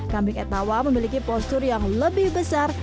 kambing etawa memiliki postur yang lebih besar